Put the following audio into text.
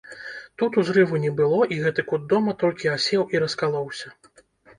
Тут узрыву не было, і гэты кут дома толькі асеў і раскалоўся.